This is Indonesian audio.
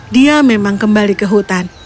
dia memang kembali ke hutan